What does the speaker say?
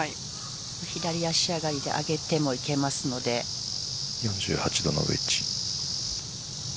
左足上がりで上げてもいけますので４８度のウエッジ。